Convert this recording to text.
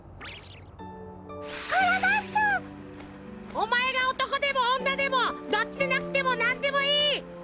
おまえがおとこでもおんなでもどっちでなくてもなんでもいい！